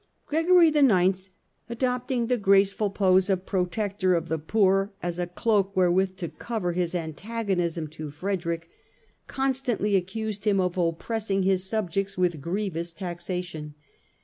Gregory IX, adopting the graceful pose of protector of the poor as a cloak wherewith to cover his antagonism to Frederick, constantly accused him of oppressing his subjects with grievous taxation.